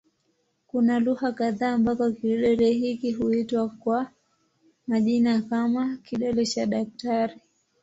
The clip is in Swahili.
Kuna lugha kadha ambako kidole hiki huitwa kwa majina kama "kidole cha daktari".